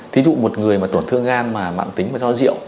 thí dụ một người mà tổn thương gan mà mạng tính và do rượu